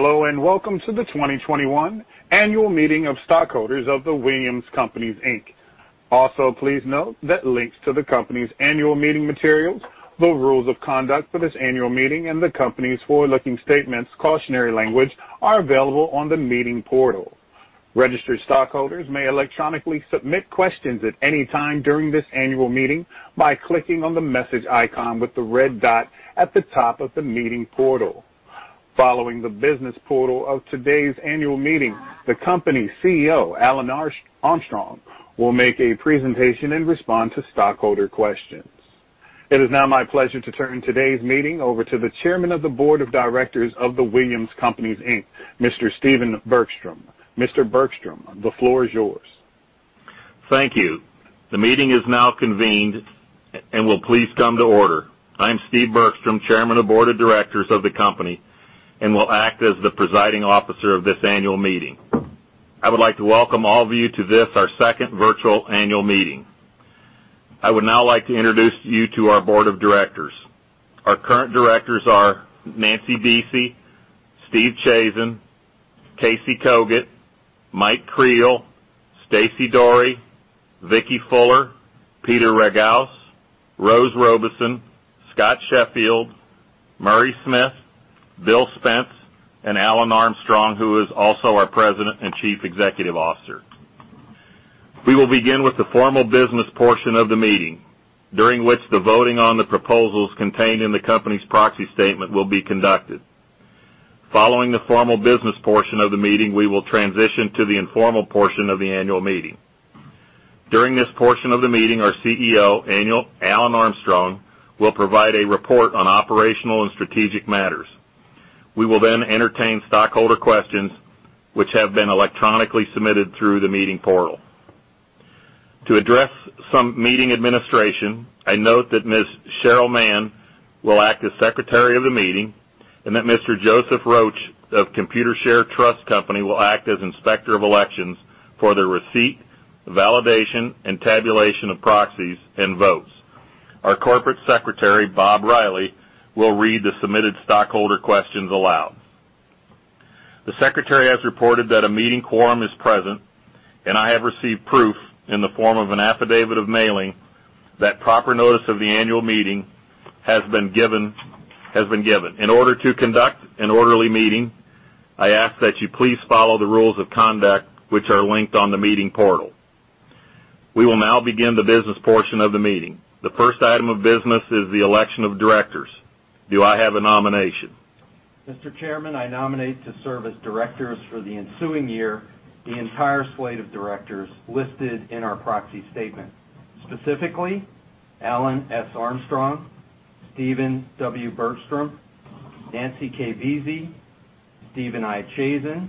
Hello, welcome to the 2021 annual meeting of stockholders of The Williams Companies, Inc. Also, please note that links to the company's annual meeting materials, the rules of conduct for this annual meeting, and the company's forward-looking statements cautionary language are available on the meeting portal. Registered stockholders may electronically submit questions at any time during this annual meeting by clicking on the message icon with the red dot at the top of the meeting portal. Following the business portal of today's annual meeting, the company CEO, Alan Armstrong, will make a presentation and respond to stockholder questions. It is now my pleasure to turn today's meeting over to the Chairman of the Board of Directors of The Williams Companies, Inc., Mr. Stephen Bergstrom. Mr. Bergstrom, the floor is yours. Thank you. The meeting is now convened and will please come to order. I'm Stephen Bergstrom, Chairman of Board of Directors of the company, and will act as the presiding officer of this annual meeting. I would like to welcome all of you to this, our second virtual annual meeting. I would now like to introduce you to our Board of Directors. Our current Directors are Nancy K. Buese, Stephen I. Chazen, Casey Cogut, Mike Creel, Stacey Doré, Vicki Fuller, Peter Ragauss, Rose Robeson, Scott Sheffield, Murray Smith, Bill Spence, and Alan Armstrong, who is also our President and Chief Executive Officer. We will begin with the formal business portion of the meeting, during which the voting on the proposals contained in the company's proxy statement will be conducted. Following the formal business portion of the meeting, we will transition to the informal portion of the annual meeting. During this portion of the meeting, our CEO, Alan Armstrong, will provide a report on operational and strategic matters. We will then entertain stockholder questions which have been electronically submitted through the meeting portal. To address some meeting administration, I note that Ms. Cheryl Mann will act as Secretary of the Meeting, and that Mr. Joseph Roach of Computershare Trust Company will act as Inspector of Elections for the receipt, validation, and tabulation of proxies and votes. Our Corporate Secretary, Bob Riley, will read the submitted stockholder questions aloud. The secretary has reported that a meeting quorum is present, and I have received proof in the form of an affidavit of mailing that proper notice of the annual meeting has been given. In order to conduct an orderly meeting, I ask that you please follow the rules of conduct, which are linked on the meeting portal. We will now begin the business portion of the meeting. The first item of business is the election of directors. Do I have a nomination? Mr. Chairman, I nominate to serve as directors for the ensuing year, the entire slate of directors listed in our proxy statement. Specifically, Alan S. Armstrong, Stephen W. Bergstrom, Nancy K. Buese, Stephen I. Chazen,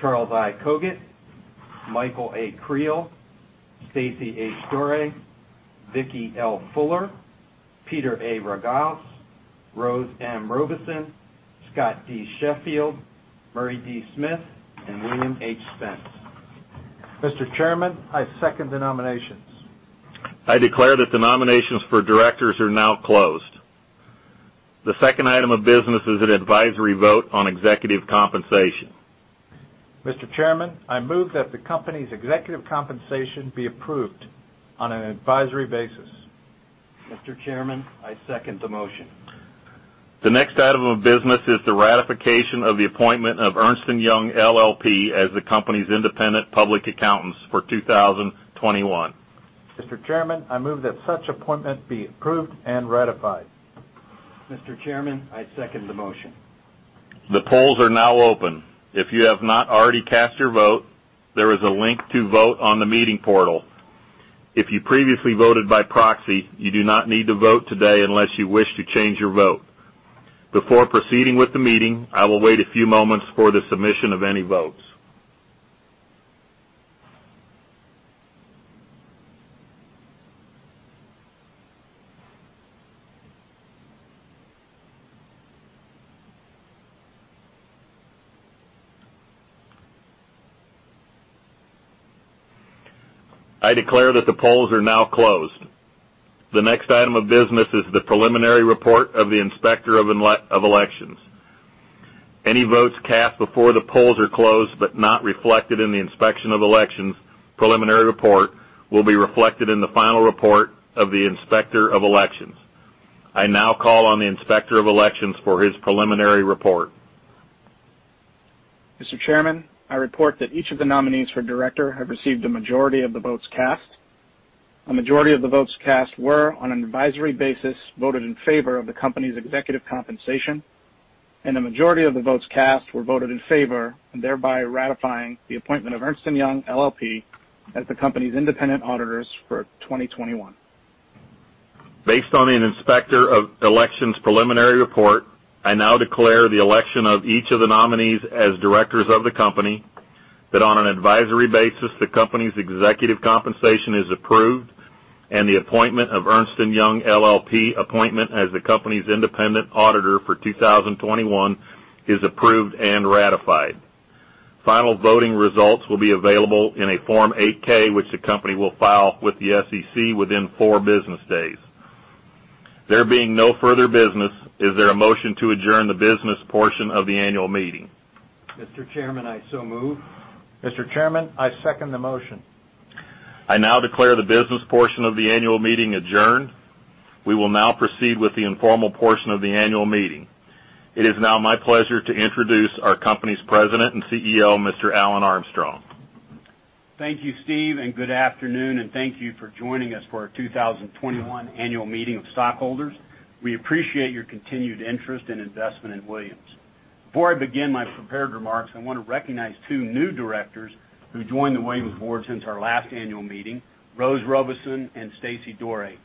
Charles I. Cogut, Michael A. Creel, Stacey H. Doré, Vicki L. Fuller, Peter A. Ragauss, Rose M. Robeson, Scott D. Sheffield, Murray D. Smith, and William H. Spence. Mr. Chairman, I second the nominations. I declare that the nominations for directors are now closed. The second item of business is an advisory vote on executive compensation. Mr. Chairman, I move that the company's executive compensation be approved on an advisory basis. Mr. Chairman, I second the motion. The next item of business is the ratification of the appointment of Ernst & Young LLP as the company's independent public accountants for 2021. Mr. Chairman, I move that such appointment be approved and ratified. Mr. Chairman, I second the motion. The polls are now open. If you have not already cast your vote, there is a link to vote on the meeting portal. If you previously voted by proxy, you do not need to vote today unless you wish to change your vote. Before proceeding with the meeting, I will wait a few moments for the submission of any votes. I declare that the polls are now closed. The next item of business is the preliminary report of the Inspector of Elections. Any votes cast before the polls are closed but not reflected in the Inspector of Elections preliminary report will be reflected in the final report of the Inspector of Elections. I now call on the Inspector of Elections for his preliminary report. Mr. Chairman, I report that each of the nominees for director have received a majority of the votes cast. A majority of the votes cast were, on an advisory basis, voted in favor of the company's executive compensation, and a majority of the votes cast were voted in favor, and thereby ratifying the appointment of Ernst & Young LLP as the company's independent auditors for 2021. Based on the Inspector of Elections' preliminary report, I now declare the election of each of the nominees as directors of the company, that on an advisory basis, the company's executive compensation is approved, and the appointment of Ernst & Young LLP as the company's independent auditor for 2021 is approved and ratified. Final voting results will be available in a Form 8-K, which the company will file with the SEC within four business days. There being no further business, is there a motion to adjourn the business portion of the annual meeting? Mr. Chairman, I so move. Mr. Chairman, I second the motion. I now declare the business portion of the annual meeting adjourned. We will now proceed with the informal portion of the annual meeting. It is now my pleasure to introduce our company's President and CEO, Mr. Alan Armstrong. Thank you, Steve, and good afternoon, and thank you for joining us for our 2021 annual meeting of stockholders. We appreciate your continued interest and investment in Williams. Before I begin my prepared remarks, I want to recognize two new directors who joined the Williams board since our last annual meeting, Rose Robeson and Stacey Doré.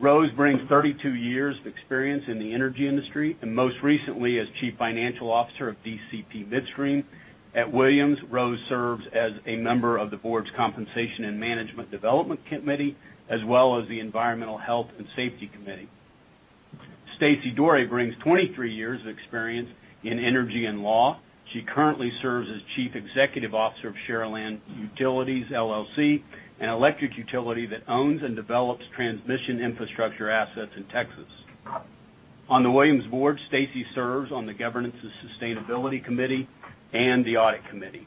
Rose brings 32 years of experience in the energy industry, and most recently as Chief Financial Officer of DCP Midstream. At Williams, Rose serves as a member of the board's Compensation and Management Development Committee, as well as the Environmental, Health and Safety Committee. Stacey Doré brings 23 years of experience in energy and law. She currently serves as Chief Executive Officer of Sharyland Utilities, LLC, an electric utility that owns and develops transmission infrastructure assets in Texas. On the Williams board, Stacey serves on the Governance and Sustainability Committee and the Audit Committee.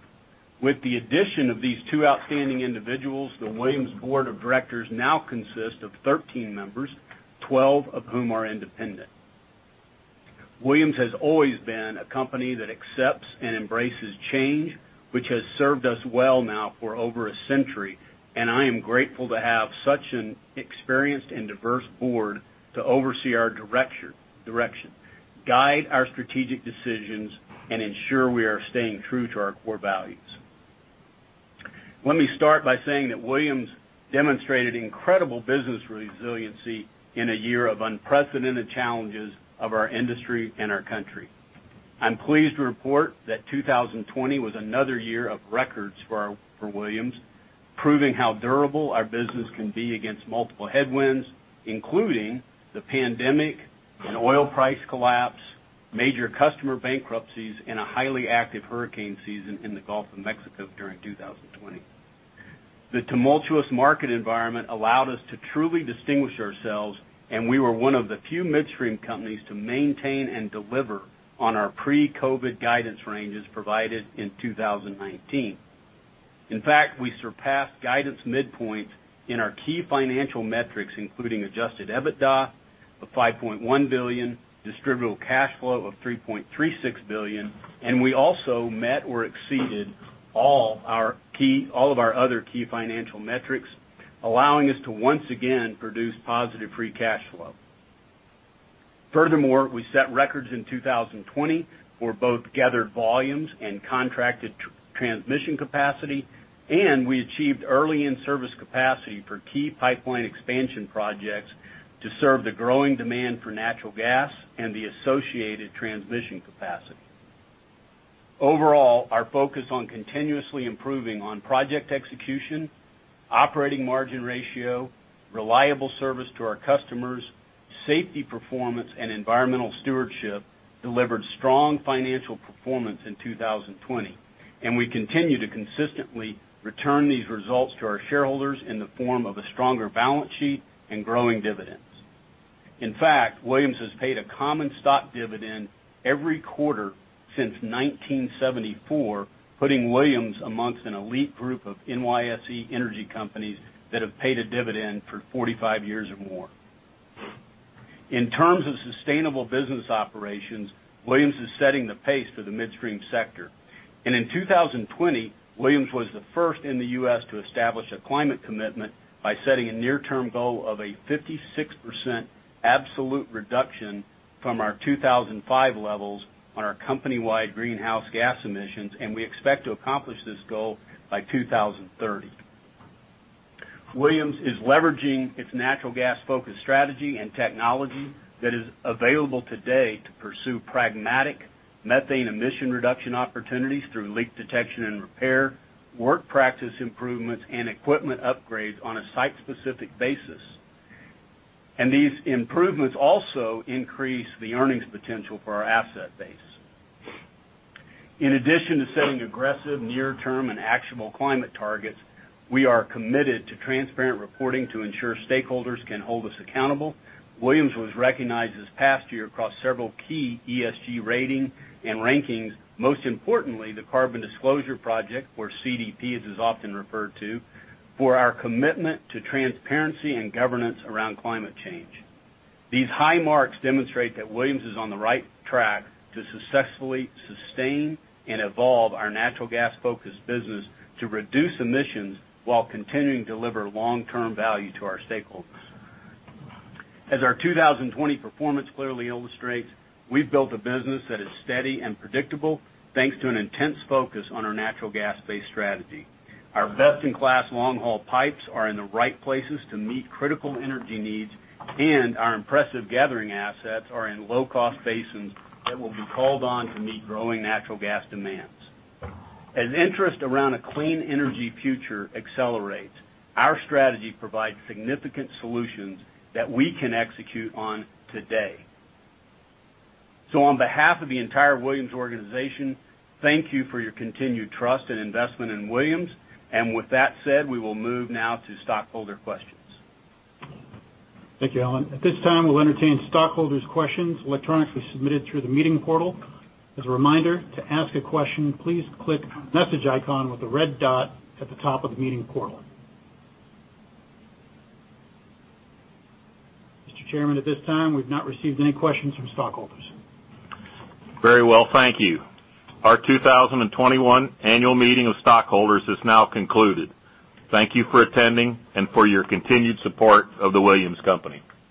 With the addition of these two outstanding individuals, the Williams Board of Directors now consists of 13 members, 12 of whom are independent. Williams has always been a company that accepts and embraces change, which has served us well now for over a century, and I am grateful to have such an experienced and diverse board to oversee our direction, guide our strategic decisions, and ensure we are staying true to our core values. Let me start by saying that Williams demonstrated incredible business resiliency in a year of unprecedented challenges of our industry and our country. I'm pleased to report that 2020 was another year of records for Williams, proving how durable our business can be against multiple headwinds, including the pandemic, an oil price collapse, major customer bankruptcies, and a highly active hurricane season in the Gulf of Mexico during 2020. The tumultuous market environment allowed us to truly distinguish ourselves, and we were one of the few midstream companies to maintain and deliver on our pre-COVID guidance ranges provided in 2019. In fact, we surpassed guidance midpoints in our key financial metrics, including adjusted EBITDA of $5.1 billion, distributable cash flow of $3.36 billion, and we also met or exceeded all of our other key financial metrics, allowing us to once again produce positive free cash flow. Furthermore, we set records in 2020 for both gathered volumes and contracted transmission capacity, and we achieved early in-service capacity for key pipeline expansion projects to serve the growing demand for natural gas and the associated transmission capacity. Overall, our focus on continuously improving on project execution, operating margin ratio, reliable service to our customers, safety performance, and environmental stewardship delivered strong financial performance in 2020, and we continue to consistently return these results to our shareholders in the form of a stronger balance sheet and growing dividends. In fact, Williams has paid a common stock dividend every quarter since 1974, putting Williams amongst an elite group of NYSE energy companies that have paid a dividend for 45 years or more. In terms of sustainable business operations. Williams is setting the pace for the midstream sector. In 2020, Williams was the first in the U.S. to establish a climate commitment by setting a near-term goal of a 56% absolute reduction from our 2005 levels on our company-wide greenhouse gas emissions, and we expect to accomplish this goal by 2030. Williams is leveraging its natural gas-focused strategy and technology that is available today to pursue pragmatic methane emission reduction opportunities through leak detection and repair, work practice improvements, and equipment upgrades on a site-specific basis. These improvements also increase the earnings potential for our asset base. In addition to setting aggressive near-term and actionable climate targets, we are committed to transparent reporting to ensure stakeholders can hold us accountable. Williams was recognized this past year across several key ESG rating and rankings, most importantly, the Carbon Disclosure Project, or CDP as it's often referred to, for our commitment to transparency and governance around climate change. These high marks demonstrate that Williams is on the right track to successfully sustain and evolve our natural gas-focused business to reduce emissions while continuing to deliver long-term value to our stakeholders. As our 2020 performance clearly illustrates, we've built a business that is steady and predictable, thanks to an intense focus on our natural gas-based strategy. Our best-in-class long-haul pipes are in the right places to meet critical energy needs, and our impressive gathering assets are in low-cost basins that will be called on to meet growing natural gas demands. As interest around a clean energy future accelerates, our strategy provides significant solutions that we can execute on today. On behalf of the entire Williams organization, thank you for your continued trust and investment in Williams. With that said, we will move now to stockholder questions. Thank you, Alan. At this time, we'll entertain stockholders' questions electronically submitted through the meeting portal. As a reminder, to ask a question, please click message icon with the red dot at the top of the meeting portal. Mr. Chairman, at this time, we've not received any questions from stockholders. Very well. Thank you. Our 2021 annual meeting of stockholders is now concluded. Thank you for attending and for your continued support of The Williams Companies.